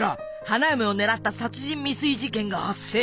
花嫁を狙った殺人未遂事件が発生。